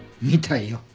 みたいよ